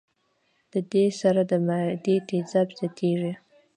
د دې سره د معدې تېزابيت زياتيږي